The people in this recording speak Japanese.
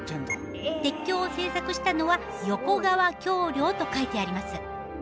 鉄橋を製作したのは「横河橋梁」と書いてあります。